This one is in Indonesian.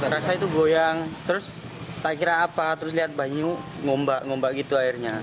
rasa itu goyang terus tak kira apa terus lihat banyu ngombak ngombak gitu airnya